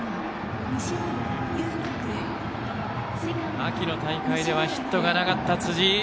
秋の大会ではヒットがなかった辻井。